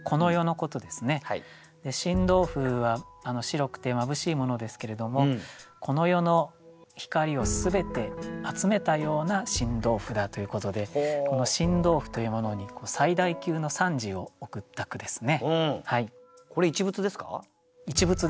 で新豆腐は白くて眩しいものですけれどもこの世の光を全て集めたような新豆腐だということで新豆腐というものに最大級の賛辞を贈った句ですね。